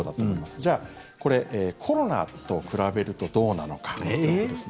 じゃあこれ、コロナと比べるとどうなのかですね。